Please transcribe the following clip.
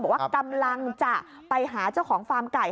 บอกว่ากำลังจะไปหาเจ้าของฟาร์มไก่